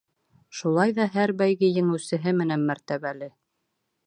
Шулай ҙа һәр бәйге еңеүсеһе менән мәртәбәле.